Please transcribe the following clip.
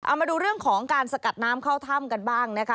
เอามาดูเรื่องของการสกัดน้ำเข้าถ้ำกันบ้างนะคะ